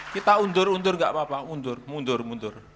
kita untur untur enggak apa apa untur mundur mundur